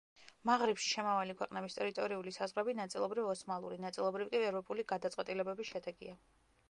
მაღრიბში შემავალი ქვეყნების ტერიტორიული საზღვრები ნაწილობრივ ოსმალური, ნაწილობრივ კი ევროპული გადაწყვეტილებების შედეგია.